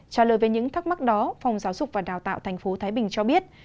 trả lời về những thắc mắc đó phòng giáo dục và đào tạo tp thái bình cho biết